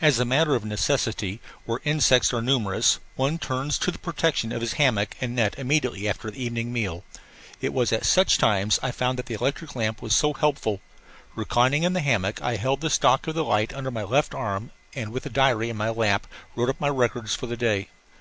As a matter of necessity, where insects are numerous one turns to the protection of his hammock and net immediately after the evening meal. It was at such times that I found the electric lamp so helpful. Reclining in the hammock, I held the stock of the light under my left arm and with diary in my lap wrote up my records for the day.